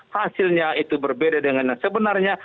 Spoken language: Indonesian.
hasilnya itu berbeda dengan yang sebenarnya